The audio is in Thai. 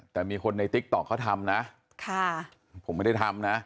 แต่มีคนในติ๊กต๊อกเขาทำนะค่ะผมไม่ได้ทำนะ